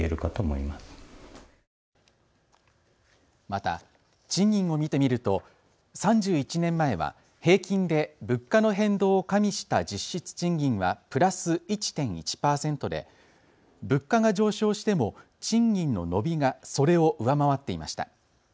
また賃金を見てみると３１年前は平均で物価の変動を加味した実質賃金はプラス１．１％で、物価が上昇しても賃金の伸びがそれを上回っていました。